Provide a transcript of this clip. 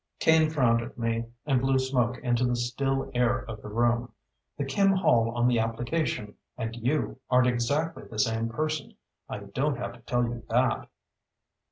Kane frowned at me and blew smoke into the still air of the room. "The Kim Hall on the application and you aren't exactly the same person. I don't have to tell you that."